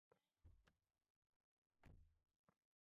রাশেদুল করিম বললেন, পৃথিবীতে সবচেয়ে সুন্দর চোখ কার ছিল জানেন?